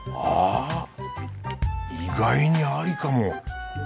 ああ意外にありかも。